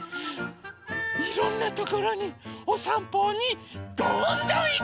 いろんなところにおさんぽにどんどんいきたい！